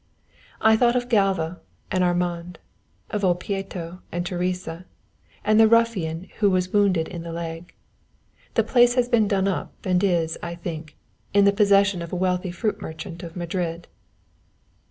I thought of Galva and Armand, of old Pieto and Teresa, and the ruffian who was wounded in the leg. The place has been done up, and is, I think, in the possession of a wealthy fruit merchant of Madrid.